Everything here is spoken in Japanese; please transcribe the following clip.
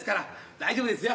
大丈夫ですよ。